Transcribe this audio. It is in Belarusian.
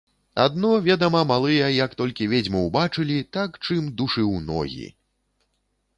Адно, ведама, малыя, як толькі ведзьму ўбачылі, так чым душы ў ногі.